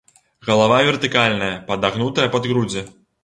Галава вертыкальная, падагнутая пад грудзі.